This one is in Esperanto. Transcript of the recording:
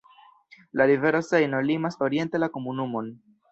La rivero Sejno limas oriente la komunumon.